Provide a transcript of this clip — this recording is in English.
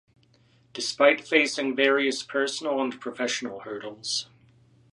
Despite facing various personal and professional hurdles.